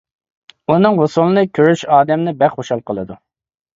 ئۇنىڭ ھوسۇلىنى كۆرۈش ئادەمنى بەك خۇشال قىلىدۇ.